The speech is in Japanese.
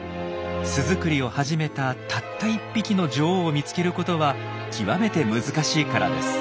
巣作りを始めたたった１匹の女王を見つけることは極めて難しいからです。